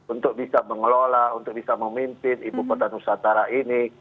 untuk bisa mengelola untuk bisa memimpin ibu kota nusantara ini